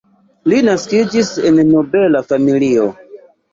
Li naskiĝis en nobela familio.